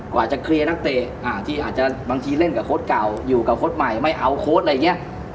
กว่าจะเคลียร์นักเตะที่อาจจะบางทีเล่นกับโค้ดเก่าอยู่กับโค้ดใหม่ไม่เอาโค้ดอะไรอย่างนี้